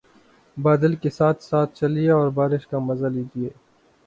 بادل کے ساتھ ساتھ چلیے اور بارش کا مزہ لیجئے